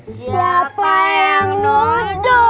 siapa yang nuduh